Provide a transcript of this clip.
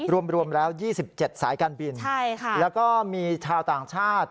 รวมแล้ว๒๗สายการบินแล้วก็มีชาวต่างชาติ